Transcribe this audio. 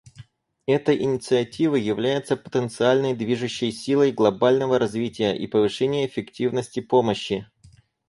Эта инициатива является потенциальной движущей силой глобального развития и повышения эффективности помощи.